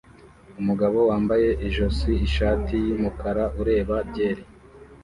Umugabo wambaye ijosi ishati yumukara ureba byeri